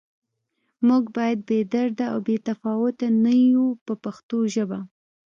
موږ باید بې درده او بې تفاوته نه یو په پښتو ژبه.